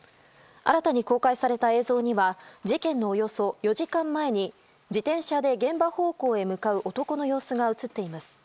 新たに公開された映像には事件のおよそ４時間前に自転車で現場方向へ向かう男の様子が映っています。